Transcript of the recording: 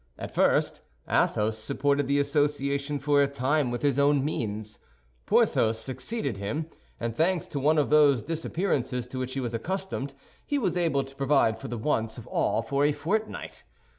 At first, Athos supported the association for a time with his own means. Porthos succeeded him; and thanks to one of those disappearances to which he was accustomed, he was able to provide for the wants of all for a fortnight.